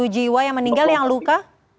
dua puluh empat jiwa yang meninggal yang luka